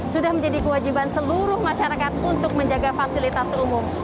sudah menjadi kewajiban seluruh masyarakat untuk menjaga fasilitas umum